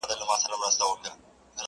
• دلته ولور گټمه؛